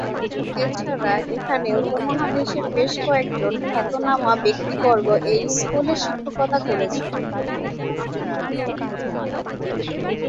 এছাড়া এখানে উপমহাদেশের বেশ কয়েকজন খ্যাতনামা ব্যক্তিবর্গ এই স্কুল এ শিক্ষকতা করেছেন।